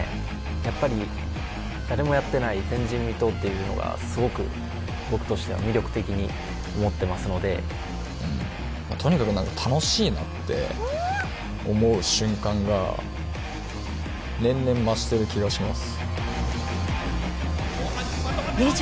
やっぱり誰もやってない前人未踏っていうのがすごく僕としては魅力的に思ってますのでとにかく何か楽しいなって思う瞬間が年々増してる気がします